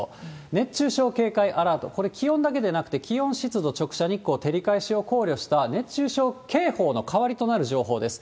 熱中症警戒アラート、これ、気温だけでなくて、気温、湿度、直射日光照り返しを考慮した、熱中症警報の代わりとなる情報です。